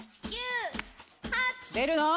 出るの？